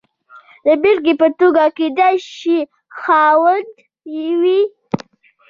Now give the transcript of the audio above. د بېلګې په توګه کېدای شي خاوند وي.